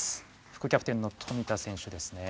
副キャプテンの富田選手ですね。